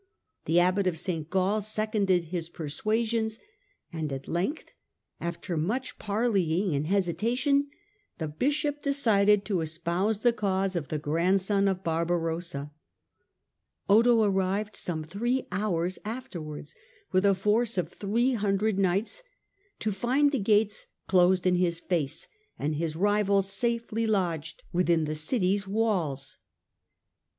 The Abbot of St. Gall seconded his persuasions, and at length, after much parleying and hesitation, the Bishop decided to espouse the cause of the grandson of Barbarossa. Otho arrived some three hours afterwards with a force of three hundred knights to find the gates closed in his face and his rival safely lodged within the city's walls.